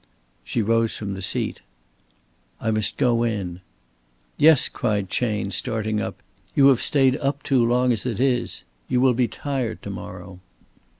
She rose from the seat. "I must go in." "Yes," cried Chayne, starting up. "You have stayed up too long as it is. You will be tired to morrow."